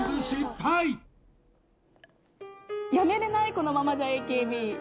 このままじゃＡＫＢ